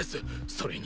それに。